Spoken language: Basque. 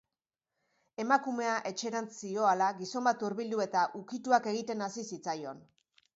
Emakumea etxerantz zihoala, gizon bat hurbildu, eta ukituak egiten hasi zitzaion.